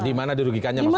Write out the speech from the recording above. dimana dirugikannya maksudnya